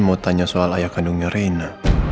mau tanya soal ayah kandungnya reina